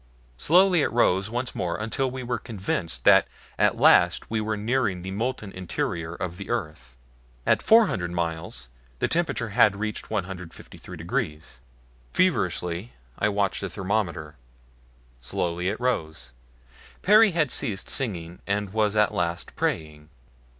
Slowly it rose once more until we were convinced that at last we were nearing the molten interior of the earth. At four hundred miles the temperature had reached 153 degrees. Feverishly I watched the thermometer. Slowly it rose. Perry had ceased singing and was at last praying.